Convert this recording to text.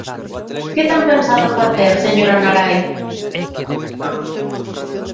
¿Que ten pensado facer, señora Narai?